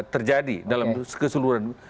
terjadi dalam keseluruhan